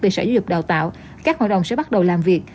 về sở dục đào tạo các hội đồng sẽ bắt đầu làm việc